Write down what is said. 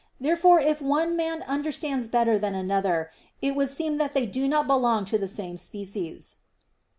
Therefore if one man understands better than another, it would seem that they do not belong to the same species.